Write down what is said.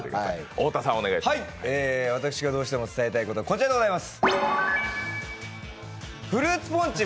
私がどうしても伝えたいことはこちらでございます。